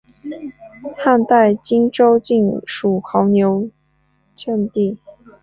汉代今州境属牦牛羌地。